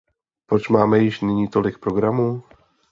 Proč máme již nyní tolik programů?